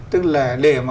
tức là để mà